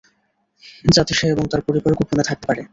যাতে সে এবং তার পরিবার গোপনে থাকতে পারে।